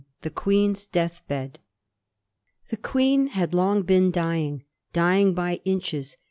THB queen's death bed. The Qaeen had long been dying; dying by inches.